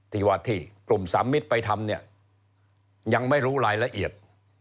ที่ว่าที่กลุ่มสามมิตรไปทำเนี่ยยังไม่รู้รายละเอียด